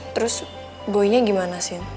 terus boynya gimana sin